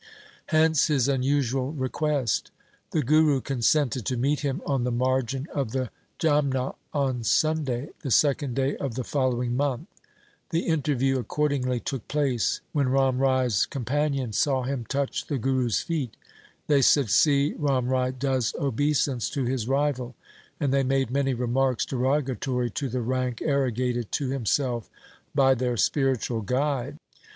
Hence his unusual request. The Guru consented to meet him on the margin of the Jamna on Sunday, the second day of the follow ing month. The interview accordingly took place. When Ram Rai's companions saw him touch the Guru's feet, they said, ' See, Ram Rai does obeisance LIFE OF GURU GOBIND SINGH 21 to his rival,' and they made many remarks deroga tory to the rank arrogated to himself by their spiritual guide.